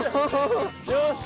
よし。